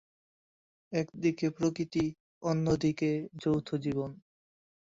একদিকে প্রকৃতি, অন্যদিকে যৌথ জীবন।